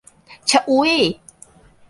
ชะอุ๋ยส์